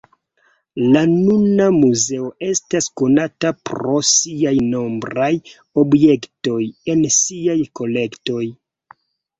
La nuna muzeo estas konata pro siaj nombraj objektoj en siaj kolektoj.